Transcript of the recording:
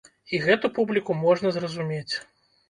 І гэту публіку можна зразумець.